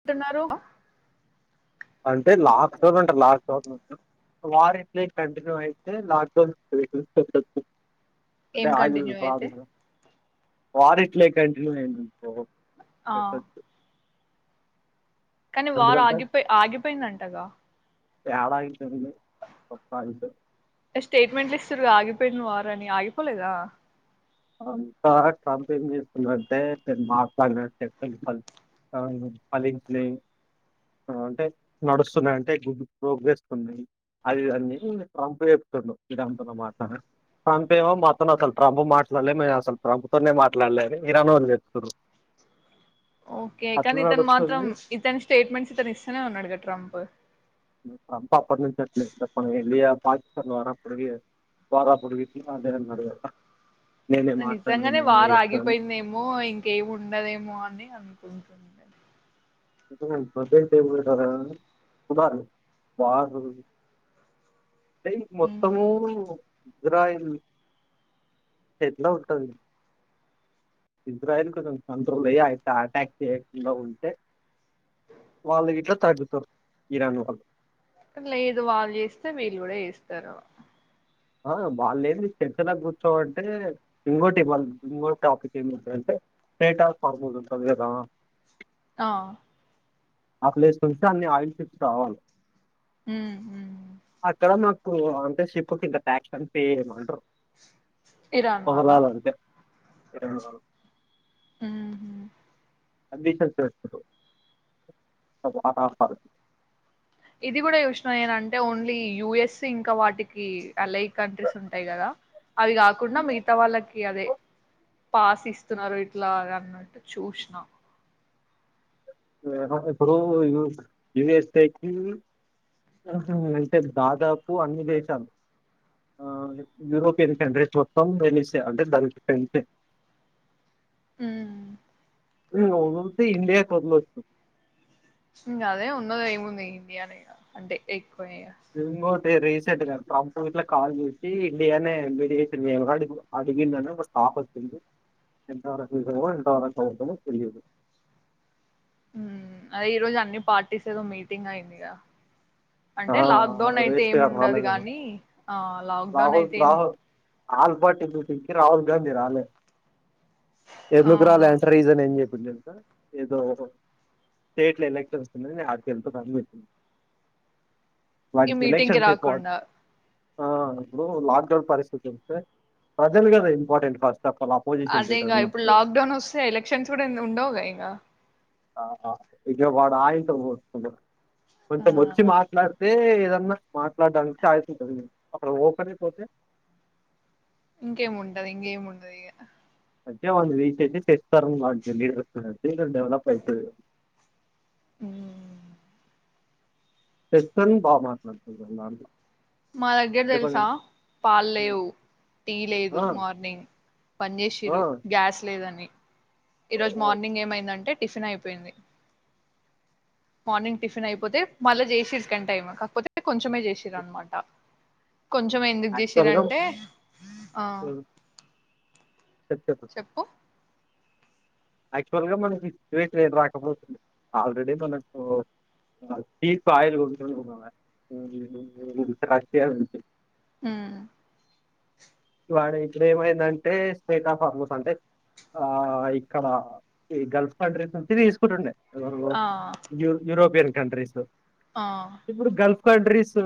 అంటున్నారు అంటే లాస్ట్ చోట్ ఉంటారు లాస్ట్ చో వార్ ఇట్లా కంటిన్యూ అయితే లక్డౌన్ [unintelligible] అంటే ఏం అదు కంటిన్యూ అయితే వార్ ఇట్లే కంటిన్యూ అని ఆ కానీ వారు ఎందుకంటే ఆగిపోయి ఆగిపోయిందంటగా [unintelligible] ప్రప్పాయి స్టేట్మెంట్లు ఇస్తారు ఆగిపోయిన వార్ అని ఆగిపోలేదా అంత ట్రంప్ ఏం చేస్తున్నాంటేను మాట్లాడిన చెలు ఫలించినయి అంటే నడుస్తున్నా అంటే గు ప్రోగేస్తున్నా అది అన్నీ ట్రంప్ చెప్తున్నా ఇ మా ట్రంప్ ఏమో మాత్రం అసలు ట్రంప్ మాట్ అసలులే మే అసలు ప్రభుత్వ మాట్లాడలేదు మీర నో చెప్తురు ఓకే కానీ ఇతను మాత్రం ఇతని స్టేట్మెంట్స్ ఇతను ఇస్తూనే ఉన్నడు కద ట్రంప్ ట్ర అప్పటి నుంచి అట్లేదు చెప్ప వెళ్లియా పాకిస్థాన్ వార పడవి వార పొడివింటే నే నిజంగానే వారు ఆగిపోయిందేమో ఇంకేమి ఉండదేమో అని అ తునకుంటే వారు అంటే ఉమ్. మొత్తము ఇజ్రాయిల్ ఎట్లా ఉంటంది ఇజ్రాయిల్ కొంచం తంత్రులు అయ అయితే అటాక్ చేయకుండా ఉంటే వాళ్ళు ఇట్లా తగ్గుతరు ఇరాన్ వాళ్ళు లేదు వాళ్ళు చేస్తే వీళ్ళు గూడా చేస్తారు ఆ వాళ్ళు ఏమి చచలా కూర్చోవంటే ఇంకోటి వాళ్ళ ఇకోటి టాపిక్ ఏమింటందింటే స్ట్ ఆఫ ఫార్మోస్ ఉంటుంది కదా ఆ ఆలే సంస్థాన్ని ఆయుషప్ రావాల ఉమ్ ఉమ్ అక్కడ ప్పు అంతే శిపకి ఇంద క్షన్ పేము ఇరాన్ వాల్ల ఆ హ్మ్ అడ్మిషన్స్ ఎప్పుడూ ఇది కూడా చూసిన ఏనంటే ఓన్లీ యుఎస్ ఇంకా వాటికి అల కంట్రీస్ ఉంటాయి కదా అవి కాకుండా మిగతా వాళ్ళకి అదే పాస్ ఇస్తున్నారు ఇట్లా అన్నట్టు చూసిన ఇప్పుడు యయుఎస్ఏకి అంటే దాదాపు అన్ని దేశాలు ఆ యూరోపియన్ కంట్రీస్ మొత్తం వెలిసే అంటే దానికి టెన్తే హ్మ్ నువ్వు వదిలితే ఇండియా కొదులోద్దు ఇంక అదే ఉన్నదేముంది ఇండియానే ఇగ అంటే ఎ ఇంగోటరై రు ట్రంప్ ఇట్లా కాల్ చేసి ఇండియానే ఎ అడిగిందని ఒక టాక్ వచ్చింది ఎంతవరకు నిజమో ఎంతవరకు అబద్దమో తెలీదు హ్మ్ అదే ఈ రోజు అన్ని పార్టీస్ ఏదో మీటింగ్ అయింది గా ఆ అంటే లాక్డౌన్ అయితే వేస్ట్ ఏమి గా ఉండదు రాలేదు గాని ఆ లాక్ డౌన్ రాహుల్ అయితే ఏం రాహుల్ ఆల్ పార్టీ మీటింగ్కి రాహుల్ గాంధీ రాలే ఆ ఎందుకు రాలే అంటే రీజన్ ఏం చెప్పి ఏదో స్టేట్ లో ఎలక్షన్స్ ఉన్నాయి అటు వెళుతున్న అని చెప్పాడు ఈ మీటింగ్కి రాకుండా ఆ ఇప్పుడు లాక్డౌన్ పరిస్థితి వస్తే ప్రజలు కదా important first of all opposition leader అదేగా ఇప్పుడు ఉన్నప్పుడు లాక్ డౌన్ వస్తే ఎలక్షన్స్ కూడా ఉండవుగా ఇగ ఆహా విజయవాడ ఇట్ల పోతుండే కొంతమొచ్చి ఇంగా మాట్లాడితే [unintelligible] మాట్లాడానికి ఛాయిస్ ఉంటది అక్కడ ఊర్కనే పోతే ఇంకేముంటది ఇంకేం ఉండదు ఇగ అదే [unintelligible] చేస్తారు నాకు తెలీదు మ్మ్ మ్మ్ దే గద డెవలప్ అయితది ఇగ మ్మ్ టస్న్ బా మాట్లాడుతుందిన్నారు మా దగ్గర తెలుసా పాలు లేవు టీ లేదు ఆ, మార్నింగ్ పని ఆ, చేసిరు గ్యాస్ లేదని ఈ రోజు మార్నింగ్ ఏమైందంటే టిఫిన్ అయిపోయింది మార్నింగ్ టిఫిన్ అయిపోతే మళ్ళా చేసిరి సెకెండ్ టైమ్ కాకపోతే కొంచమే చేసిర అన్నమాట కొంచెం ఎందుకు గా చేసిరంటే ఆ చెప్తాను చెప్పు యాక్చువల్ గా మనకి సిచ్యువేషన్ ఏది రాకపోతుంది ఆల్రెడీ మనకు ఆయిల్ [unintelligible] ఆమ్ ఇవాడే ఇక్కడ ఏమైందంటే స్టేట్ ఆఫ్ ఆల్మోస్ అంటే ఆ ఇక్కడ ఈ గల్ఫ్ కంట్రీస్ నుంచి తీసుకుంటుండే ఆ యూరోపియన్ కంట్రీస్ ఆ ఇప్పుడు గల్ఫ్ కంట్రీస్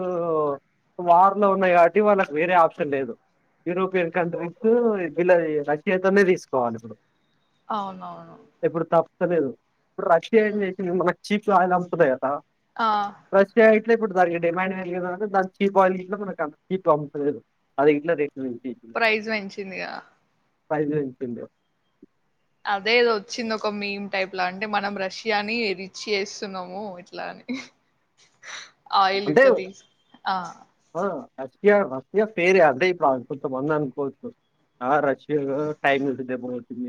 వార్ లో ఉన్నాయి కాబట్టి వాళ్ళకి వేరే ఆప్షన్ లేదు యూరోపియన్ కంట్రీస్ వీళ్ళ రష్యాతోనే తీసుకోవాలి ఇప్పుడు అవునవును సర్లేదు ఇప్పుడు రష్యా ఏం ఉమ్ చేసింది మనకి చీప్స్ ఆయిల్ అమ్ముతున్నాయి కదా ఆ [unintelligible] ఇట్ల ఇప్పుడు దానికి డిమాండ్ పెరిగింది తర్వతా దాన్ని చీప్ ఆయిల్ [unintelligible] ఉమ్ ప్రైజ్ పెంచిందిగా ఫ్రెజ్ ఎంతుదో అదే వచ్చింది ఒక మెమ్ టైప్ లో అంటే మనం రష్యాని రిచ్ చేస్తున్నాము ఇట్లా అని ఆయిల్ అంటే ఇట్లా తీసి ఆ ఆ! రష్యా రష్యా ఫేరయా అంటే ఇప్పుడు కొంతమంది అనుకోవచ్చు ఆ రష్యా టైం ఉంటుది రేపు పోతుంది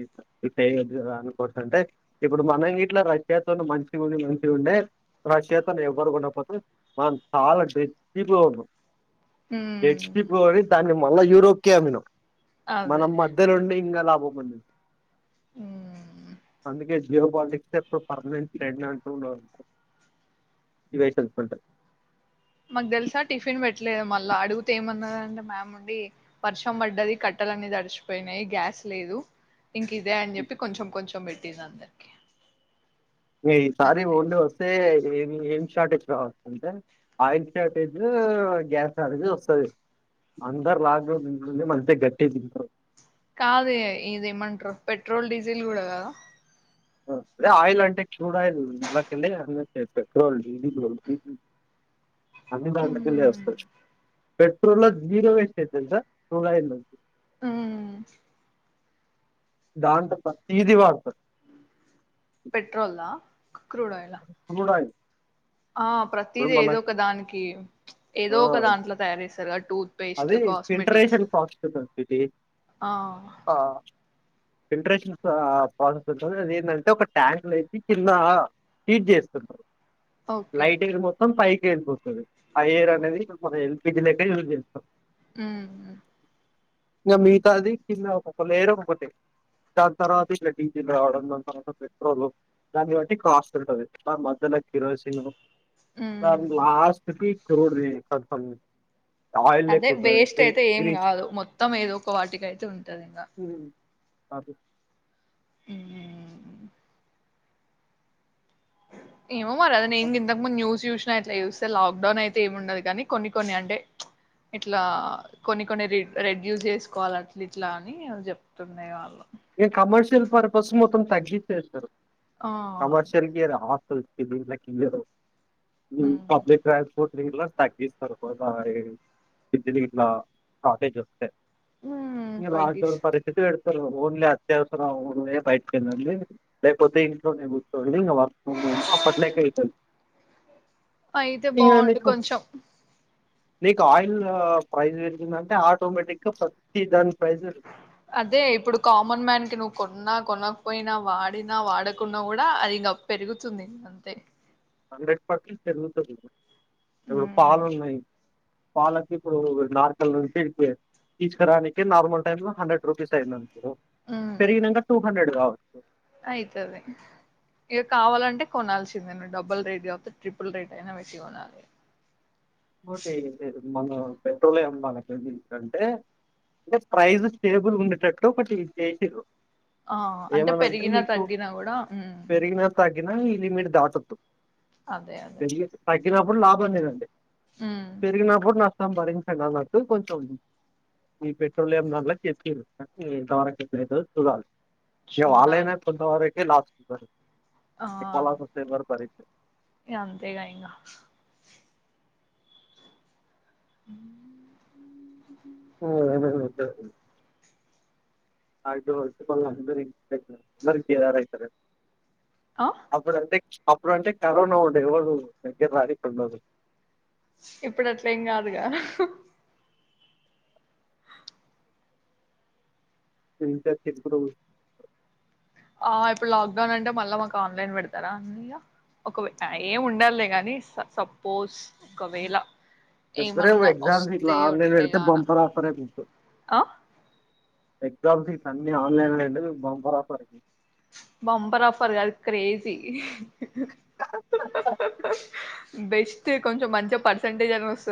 ఏమి వద్దు అనుకోవచ్చు అంటే ఇప్పుడు మనం ఇట్లా రష్యాతో మంచిగా ఉండి మంచిగా ఉండే రష్యాతో ఎవ్వరు ఉండకపోవచ్చు మనం చాలా డెడ్ చీప్ లో ఉన్నాం డెడ్ ఉమ్ చీప్ లో దాన్ని [unintelligible] మళ్ళా యూరోప్ కే అమిన్నాం అదే మనం మధ్యలో ఉండి ఇంకాలా పోమన్నది ఉమ్ అందుకే జిరో పాలిటిక్స్ ఎప్పుడు పర్మనెంట్ ట్రెండ్ అంటు ఉండదు రిలేషన్స్ ఉంటాయి మాకు తెలుసా టిఫిన్ పెట్టలేదు మళ్ళా అడుగుతే ఏమన్నదంటే మ్యామ్ ఉండి వర్షం పడ్డది కట్టలు అనేది అడిచిపోయినాయి గ్యాస్ లేదు ఇంకా ఇదే అని చెప్పి కొంచెం కొంచెం తిన్నం దరికి న సారే ఒ వస్తే ఏ ఏ షార్టేజ్ కావచ్చ అంటే ఆయిల్ షార్టేజ్ గ్యాస్ షార్టేజ్ వస్తుంది అందరు లాక్డౌన్ మళ గట్టి తింట కాదు ఇదిేమంటారు పెట్రోల్ డీజిల్ కూడా కదా అదే ఆయిల్ అంటే క్రూడ్ ఆయిల్ ఇక పెట్రోల్ డీజిల్జ అ దాంట ఉమ్ వవస్ వచ్చ పెట్రోల్ లో జీరో వేస్ట్ తెలుసా ఆ ద దాంట తతి వార్త పెట్రోల్లా క్రడే ఆయిల్ క్రూడ్ ఆయిల్ ఆహ్ ఇప్పుడు ఇది ఏదో మనకు ఒక దానికి ఏదో ఒక దాంట్లో తయారు చేస్తారు కాబట్టి అదే ఫంటర్నేషల్ పాక్స్ అ ఆ ఫిల్టరేషన్ ప్రాసెస్ ఉంటుంది అది ఏంటంటే ఒక ట్యాంక్ లోయి కింద ఫీడ్ జెస్తారు ఓకే లైటింగ్ మొత్తం పైక్ వెళ్ిపోతుంది ఆ ఎయిర్ అనేది మన ఎల్పిజీ క యూజ్ చేస్తుంది ఆ ఇంక మిగతాది కింద ఒకొ లేర్ ఒకటి దాని తర్వాత ఇంక డీజిల్ రావడం దాని తర్వాత పెట్రోల్ దాన్ని బట్టి కాస్ట్ ఉంటది ద మధ్యలో కిరోసిన్ స ఉమ్ లాస్ట్ కి జరురుది క అదే వేస్ట్ అయితే ఏం కాదు మొత్తం ఏదో ఒక వాటికి అయితే ఉంటంది ఇంకా అది ఉ ఏమో మ అదేం ఇకు ముందు న్యూ చూ ట్లా చూస్తే లాక్ డౌన్ అయితే ఏమిండదు కానీ కొన్ని కొన్ని అంటే ఇట్లా కొన్ని కొన్ని రెడ్యూస్ చేసుకోవాలి అట్లా ఇట్లా అని చెప్తున్నా వాళ్ళు ఇ కమర్షియల్ పర్పస్ మొత్తం తగ్గిించసారు ఆ అదే కమర్షియల్కి ఈ రామ్మా [unintelligible] ఉమ్ పబ్లిక్ ట్రాన్స్ఫర్ట్ తగ్గిస్తారు ఉమ్ ఇ తగ్గిస్ లాక్డౌన్ పరిస్థితి పెతు స ఓన్లీ అత్యవసరం బయటకి వెళ్ందండి లేకపోతే ఇంట్లోనే కూర్చోండి ఇం వర్క్ ఫమ్ అప్పట్లోక వెళ్తుదు అయితే బాగుండు కొంచెం నీకు ఆయిల్ ప్రైస్ పెరిగిదంటే ఆటోమెటిగ్గా ప్రతి దానికి అదే ఇప్పుడు కామన్ మ్యాన్ కి నువ్వు కొన్నా కొనకపోయినా వాడినా వాడకున్నా కూడా అది ఇంకా పెరుగుతుంది అంతే హండ్రెడ్ పర్సెంట్ పెరుగుతుంది ఇప్పుడు ఉమ్ పాలు ఉన్నాయి పాలకి ఇప్పుడు నార్కల్ నుంచి ఇప్పి ఏ తీసుకరానికి నార్మల్ టైమ్ లో హండ్రెడ్ రూపీస్ అయిందండి పెరిగినంగా టూ హండ్రెడ్ రావు అయితది ఇగ కావాలంటే కొనాల్సిందే నువ్ డబ్బుల్ రేట్ కాపోతే ట్రిపుల్ రేట్ అయినా వెట్టి కొనాలే ఓటేఇన్ లేదు మన పెట్రోల్ లే మన కేజీ ఏం అంటే జస్ట్ ప్రైస్ స్టేబుల్ ఉండేటట్టు ఒకటి చేసిర్రు ఆ అంటే ఏమనంటే పెరిగినా తగ్గినా కూడా హ్మ్ నాయ్ ఇలిమిట్ దాటొద్దు అదే అదే ఇలా అప్పుడు లాభం లేదండి ఉమ్ పెరిగినప్పుడు నా సంభరించండి అన్నట్టు కొంచెం మీ పెట్రోలియం ధరలకు ఏతికీర్రు ఎంత వరకు ఎట్లా అయితదో చూడాలి ఏ వాళ్లు అయినా చూడాలి కొంతవరే ఏలాస్ కు బారి ఆ భరించరు ఇగ అంతే ఇంగ ఉ అయినా రిప్లై ఇత్తది మాక్సిమం అందరిందరికి ారైయితారు ఆ అప్పుడు అంటే చ్ అప్పుడు అంటే కరోనా ఉండే ఎవడు దగ్గర రానీకుండదు ఇప్పుడు అట్లె ఏం కాదుగా ఇంత చెప్పుడు ఆ ఇప్పుడు లాక్డౌన్ అంటే మళ్ళా మాకు ఆన్లైన్ పెడతారా లియ ఒకవే ఏం ఉండదులే గానీ సపోజ్ ఒకవేళ చెప్రే ఏం ఏమన్నా ఎగ్జామ్ గీట్లా వస్తే ఆన్లైన్ ఎడితే ఉంటేగాన బంపర్ ఆఫరే నీకు ఆ ఎగ్జామ్స్ గిట్ల అన్నీ online end bumper offer bumper offer కాదు క్రేజీ [unintelligible] బెస్ట్ కొంచెం మంచిగా పర్సెంటేజ్ అని వస్తు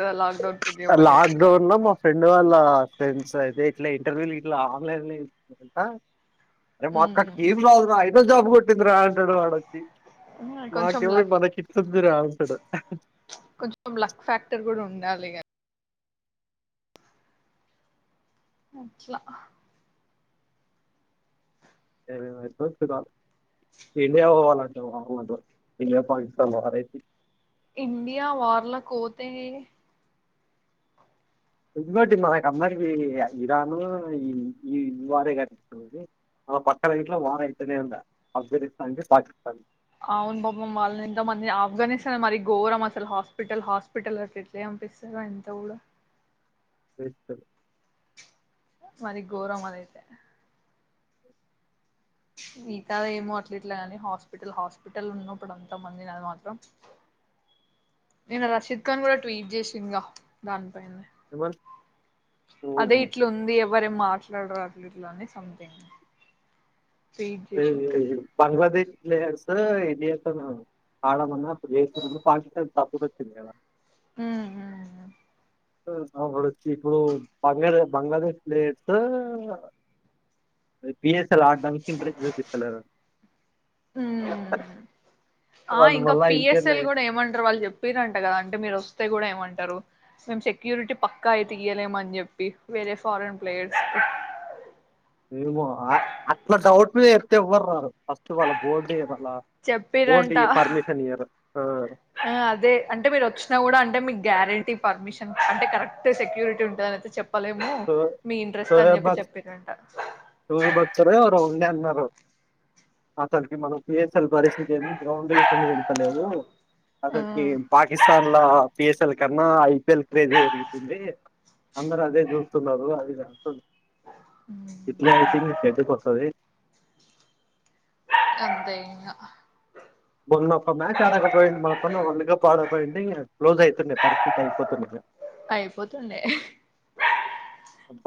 లాక్ డౌన్ లో మా ఫ్రెండ్ వాళ్ళ ఫెండ్స్ అదే ఇట్లా ఇంటర్వ్యూలు ఇట్లా ఆన్లైన్ లే ఆ అరే మా అక్కకి ఏం రాదు రా ఐ వద్ద మూడ్ పట్టింది రాలంటాడు వాడొచ్చి కొంచెం మాకేమ లక్ మనకిట్ంది రాలంటాడు చగా అ ఏవి స కాల ఇండియా పోవాలంటడి ఇండియా పాకిస్తన్ లోరే ఇండియా వార్ల పోతే ఇకోటి మనకు అందరికి ఇరాన్ ఈ ఈ ఈ వారే కానిపిస్తుంది మన పక్కన ఇంట్లో వార అయితేనే ఉందా ఆఫ్ఘనిస్తాన్ంట పాకిస్తాన్ అవును బాబమ్ వాళ్ళని ఎంత మంది ఆఫ్ఘనిస్తానే మరి గఘోరం అసలు హాస్పిటల్ హాస్పిటల్ అట్ ఎట్లే పంపిస్తార ఎంత కూడా తెస్ మరి ఘోరం అద అయితే ఈత ఏమో అట్ల ఇట్లాగాని హాస్పిటల్ హాస్పిటల్ ఉన్నప్పుడు అంత మంది నా అది మాత్రం నేను రషీద్ ఖాన్ కూడా ట్వీట్ చేసిందిగా దానిపైన కేవల్ అదే ఇట్లు ఉంది ఎవరే మా లాడులులోనే సమంతింగ్ పనివాది ప్లేయర్స్ ఇండియాతో ఆడమన్నా అప్పుడు చేసన్నా పాకిస్తాన్ తప్పుడు వచ్చింది కద హ అడ వచ్చి ఇప్పుడు బంగ్ బంగ్లాదేశ్ ప్లేట్ హ ఆ వాళ్ళు ఇంకా మళ్ళీ ఐపీఎల్ పిఎస్ఎల్ కూడా ఏమంటారు వాళ్ళు చెప్పరంట కదా అంటే మీరు వస్తే కూడా ఏమంటారు ంటారు మేము సెక్యూరిటీ పక్కా అయ్తేయలేమ అని చెప్పి వేరే ఫారెన్ ప్లేయర్స్ ఏమో అట్లా డౌట్ మీద ఎతే ఇవ్వరు ఫస్ట్ వా బోర్డు ఇవ్వాలి చెప్పరంట ఆ, అదే అంటే మీరు వచ్చినా కూడా అంటే మీకు గ్యారెంటీ పర్మిషన్ అంటే కరెక్ట్ సెక్యూరిటీ ఉంటుద అయితే చెప్ప సో సోయబ్ చెప్పిరంట సోహెబ్ అక్తర్ రో ఎవరో ఉండే అన్నారు అతడికి మనం పిఎస్ఎల్ పరిస్థితి ఏ గ్రౌండ్ కి ఇట్లా వెల్త్ లేవు అతడికి ఉమ్ పాకిస్తన్ ల పిఎస్ఎల్ కన్నా ఐపిఎల్ క్రేజ్ ఎక్కువ ఉంది అందరు అదే చూ స్తున్నారు అ ఉమ్, ఇట్లే అయితే మీది షెడ్ కి వస్తది అంతే యిగా మొన్న ఒక్క మ్యాచ్ ఆడకపోయుంటే మొత్తం వరల్డ్ కప్ ఆడకపోయి ఉంటే ఇగ క్లోజ్ అవుతుండే పరిస్థితి అయిపోతుండ అయిపోతుండే హ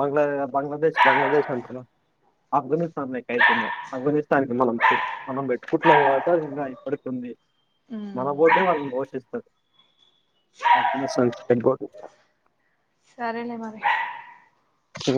బంగ్లా బంగ్లాదేశ్ బంగ్లాదేశ్ అంటున్నా ఆఫ్ఘనిస్తాన్ లెక్క అయితున్డే ఆఫ్ఘనిస్తాన్ కి మనం పెట్ మనం పెట్టుకుంటున్నాం కాబట్టి ఇంకా ఇప్పటికుంది మన ఉమ్ పోతే వాళ్ళని పోషిస్తరు ఆఫ్ఘనిస్తాన్ష సరేలే మరి ఉ